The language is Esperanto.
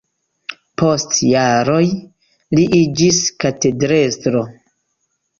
Post jaroj li iĝis katedrestro.